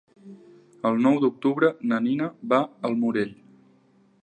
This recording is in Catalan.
El nou d'octubre na Nina va al Morell.